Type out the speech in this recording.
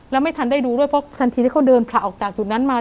แล้วไม่ทันได้ดูด้วยเพราะทันทีที่เขาเดินผละออกจากจุดนั้นมา